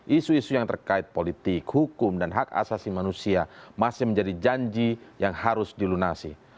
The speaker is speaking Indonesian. isu isu yang terkait politik hukum dan hak asasi manusia masih menjadi janji yang harus dilunasi